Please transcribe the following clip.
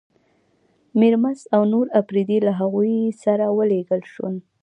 میرمست او نور اپرېدي له هغوی سره ولېږل شول.